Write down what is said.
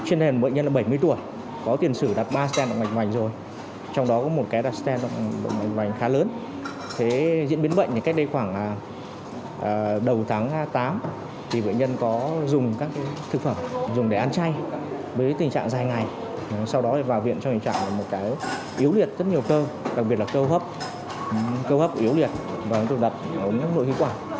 yếu liệt rất nhiều cơ đặc biệt là câu hấp câu hấp yếu liệt và cũng được đặt vào những nội khí quả